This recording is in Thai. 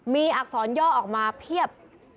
มีอักษรย่อออกมาเพียบ